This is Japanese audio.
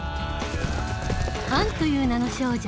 「アンという名の少女」